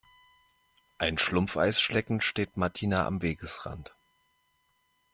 Ein Schlumpfeis schleckend steht Martina am Wegesrand.